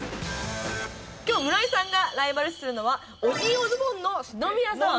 今日村井さんがライバル視するのはオジンオズボーンの篠宮さん。